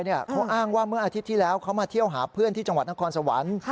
เขาอ้างว่าเมื่ออาทิตย์ที่แล้วเขามาเที่ยวหาเพื่อนที่จังหวัดนครสวรรค์